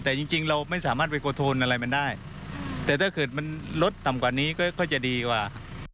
แต่ถ้าคือมันลดต่ำกว่านี้ก็จะดีกว่า